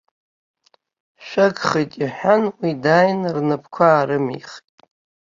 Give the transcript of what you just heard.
Шәагхеит, ихәан уи, дааины рнапқәа аарымихит.